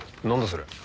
それ。